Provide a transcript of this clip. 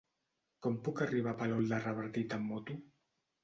Com puc arribar a Palol de Revardit amb moto?